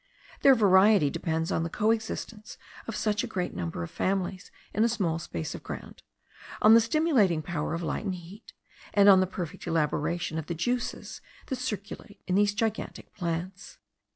Their variety depends on the coexistence of such a great number of families in a small space of ground, on the stimulating power of light and heat, and on the perfect elaboration of the juices that circulate in these gigantic plants.